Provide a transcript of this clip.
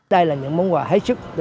đây là những món quà hết sức tình nghĩa